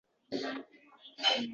Uning siymosi